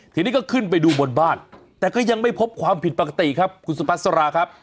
ทีนี้ก็ขึ้นไปดูบนบ้านแต่ก็ยังไม่พบความผิดปกติครับคุณสุพัสราครับ